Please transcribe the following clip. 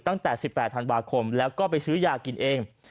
ตั้งแต่๑๘ธันวาคมแล้วก็ไปซื้อยากินเอง